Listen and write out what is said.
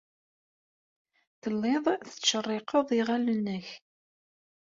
Telliḍ tettcerriqeḍ iɣallen-nnek.